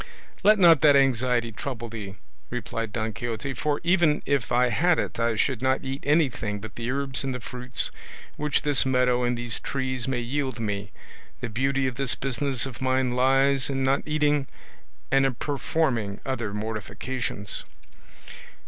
"Let not that anxiety trouble thee," replied Don Quixote, "for even if I had it I should not eat anything but the herbs and the fruits which this meadow and these trees may yield me; the beauty of this business of mine lies in not eating, and in performing other mortifications."